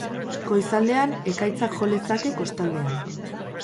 Goizaldean ekaitzak jo lezake kostaldean.